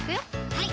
はい